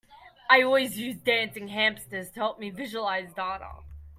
I always use dancing hamsters to help me visualise data.